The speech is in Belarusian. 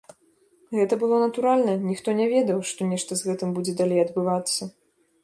Гэта было натуральна, ніхто не ведаў, што нешта з гэтым будзе далей адбывацца.